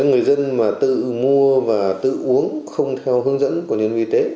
người dân mà tự mua và tự uống không theo hướng dẫn của nhân viên y tế